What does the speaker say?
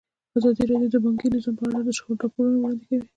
ازادي راډیو د بانکي نظام په اړه د شخړو راپورونه وړاندې کړي.